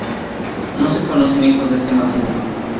No se conocen hijos de este matrimonio.